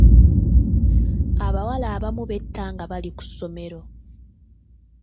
Abawala abamu betta nga bali ku ssomero.